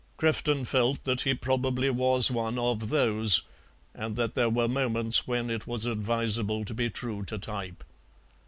Crefton felt that he probably was one of "those," and that there were moments when it was advisable to be true to type.